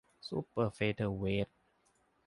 ซูเปอร์เฟเธอร์เวท